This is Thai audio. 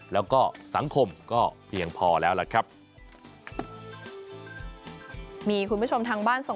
แล้วก็สังคมก็เพียงพอแล้วล่ะครับ